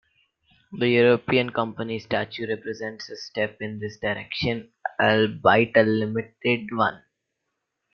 The European Company Statute represents a step in this direction, albeit a limited one.